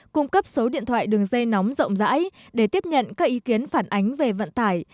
cung cấp số điện thoại đường dây nóng rộng rãi để tiếp nhận các ý kiến phản ánh về vận tải